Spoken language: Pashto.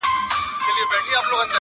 زه خو پر ځان خپله سایه ستایمه.